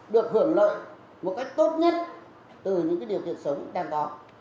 được hưởng lợi một cách tốt nhất từ những điều kiện sống đang có